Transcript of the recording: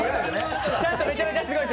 ちゃんとめちゃめちゃすごいです。